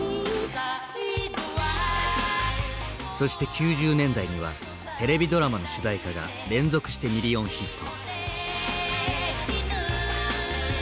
そして９０年代にはテレビドラマの主題歌が連続してミリオンヒット。